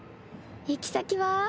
行き先は？